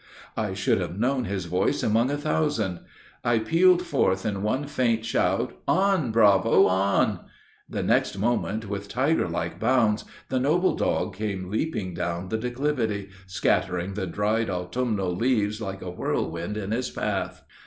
I should have known his voice among a thousand. I pealed forth in one faint shout, 'On Bravo, on!' The next moment, with tiger like bounds, the noble dog came leaping down the declivity, scattering the dried autumnal leaves like a whirlwind in his path.